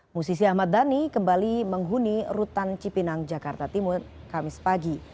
musisi ahmad dhani kembali menghuni rutan cipinang jakarta timur kamis pagi